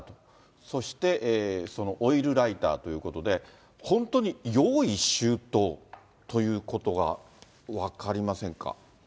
そしてオイルライターということで、本当に用意周到ということは分かりませんか。